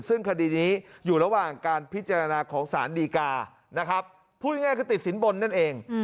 ซึ่งคดีนี้อยู่ระหว่างการพิจารณาของสารดีกานะครับพูดง่ายคือติดสินบนนั่นเอง